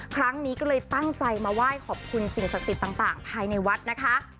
ครั้งนี้ก็เลยตั้งใจมาไหว้ขอบคุณสิ่งศักดิ์สิทธิ์ต่างภายในวัดนะคะ